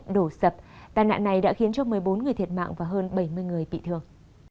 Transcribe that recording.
vụ sập đàn nạn này đã khiến một mươi bốn người thiệt mạng và hơn bảy mươi người bị thương